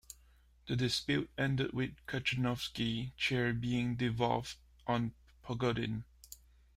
The dispute ended with Kachenovsky's chair being devolved on Pogodin.